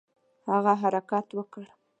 هغه حرکت وکړ.